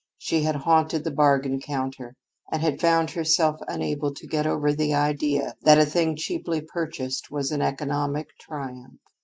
She had haunted the bargain counter, and had found herself unable to get over the idea that a thing cheaply purchased was an economic triumph.